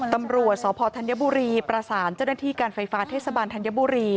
ตำรวจสพธัญบุรีประสานเจ้าหน้าที่การไฟฟ้าเทศบาลธัญบุรี